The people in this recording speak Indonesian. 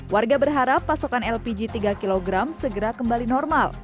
warga berharap pasokan lpg tiga kg segera kembali normal